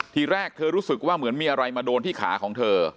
ทีแรกเธอรู้สึกว่าเหมือนมีอะไรมาโดนที่ขาของเธอ